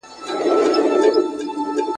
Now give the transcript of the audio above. خو په يارانو د میني او محبت خوږې اوبه